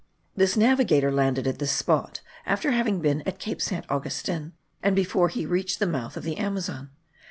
This navigator landed at this spot, after having been at Cape Saint Augustin, and before he reached the mouth of the Amazon.